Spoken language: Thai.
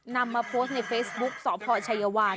นำมาโพสต์ในเฟซบุ๊คสพชัยวาน